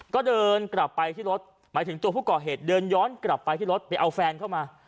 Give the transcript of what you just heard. ก็เดินกลับไปที่รถหมายถึงตัวผู้ก่อเหตุเดินย้อนกลับไปที่รถไปเอาแฟนเข้ามา